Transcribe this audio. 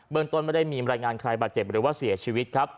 เบินต้นไม่ได้มีบรรยายงานใครบาดเจ็บหรือเสียชีวิต